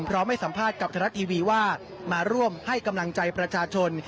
ให้สัมภาษณ์กับไทยรัฐทีวีว่ามาร่วมให้กำลังใจประชาชน